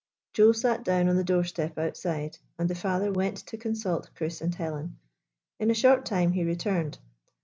Joe sat down on the doorstep outside, and the father went to consult Chris and Helen. In a short time he returned.